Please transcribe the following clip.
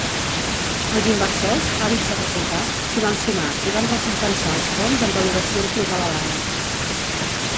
Els inversors, àvids de resultats, s'hi van sumar i van recompensar els fons amb valoracions més elevades.